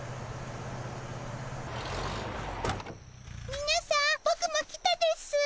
みなさんボクも来たです。